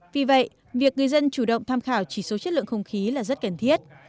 vì vậy việc người dân chủ động tham khảo chỉ số chất lượng không khí là rất cần thiết